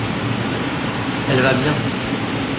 Elle va bien.